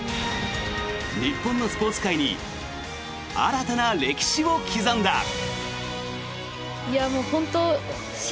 日本のスポーツ界に新たな歴史を刻んだ。